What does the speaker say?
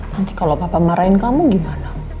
nanti kalau papa marahin kamu gimana